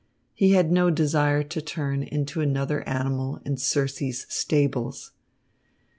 He had no desire to turn into another animal in Circe's stables.